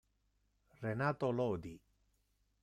Renato Lodi